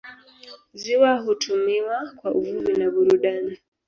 Ziwa hutumiwa kwa uvuvi na burudani.